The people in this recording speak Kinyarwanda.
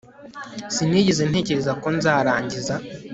Sinigeze ntekereza ko nzarangiza